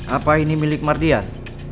apa ini milik mardian